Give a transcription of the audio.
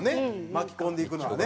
巻き込んでいくのはね。